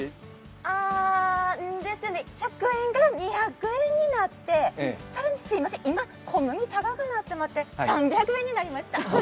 あー、１００円が２００円になって更にすみません、今、小麦が高くなってしまって３００円になりました。